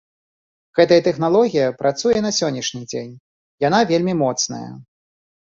Гэтая тэхналогія працуе і на сённяшні дзень, яна вельмі моцная.